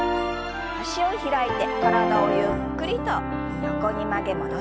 脚を開いて体をゆっくりと横に曲げ戻しましょう。